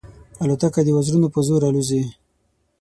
الوتکه د وزرونو په زور الوزي.